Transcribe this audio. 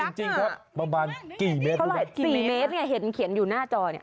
งูยักษ์น่ะสี่เมตรหรือเปล่าสี่เมตรไงเห็นเขียนอยู่หน้าจอ